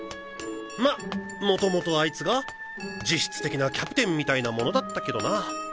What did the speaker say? ま元々あいつが実質的なキャプテンみたいなものだったけどな。